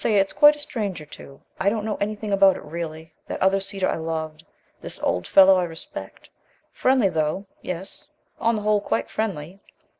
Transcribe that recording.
It's quite a stranger, too. I don't know anything about it really. That other cedar I loved; this old fellow I respect. Friendly though yes, on the whole quite friendly.